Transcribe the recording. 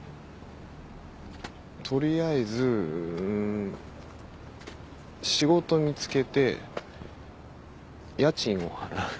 取りあえず仕事見つけて家賃を払う。